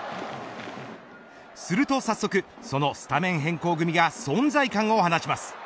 すると、早速そのスタメン変更組が存在感を放ちます。